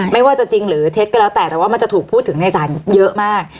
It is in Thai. ไม่ว่าจะจริงหรือเท็จก็แล้วแต่แต่ว่ามันจะถูกพูดถึงในศาลเยอะมาก